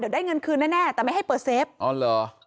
เดี๋ยวได้เงินคืนแน่แต่ไม่ให้เปิดเซฟอ๋อเหรอ